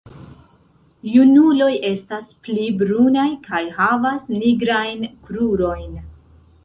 Junuloj estas pli brunaj kaj havas nigrajn krurojn.